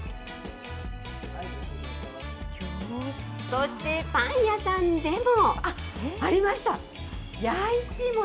そしてパン屋さんでも。